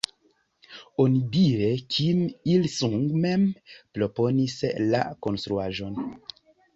Onidire Kim Il-sung mem proponis la konstruaĵon.